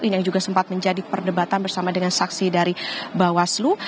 yang juga sempat menjadi perdebatan bersama dengan saksi dari bawaslu